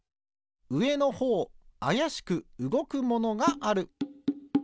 うえのほうあやしくうごくものがある。